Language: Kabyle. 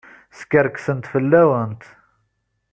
Skerksent fell-awent.